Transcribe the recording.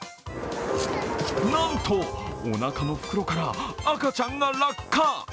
なんと、おなかの袋から赤ちゃんが落下。